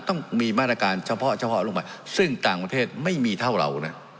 ต้องมีมาตรการเฉพาะเฉพาะลงมาซึ่งต่างประเทศไม่มีเท่าเรานะ